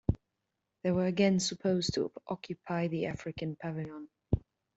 They were again supposed to occupy the African pavilion.